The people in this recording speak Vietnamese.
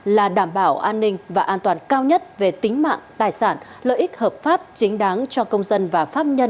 là đảm bảo an ninh và an toàn cao nhất về tính mạng tài sản lợi ích hợp pháp chính đáng cho công dân